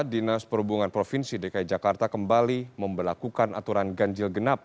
dinas perhubungan provinsi dki jakarta kembali memperlakukan aturan ganjil genap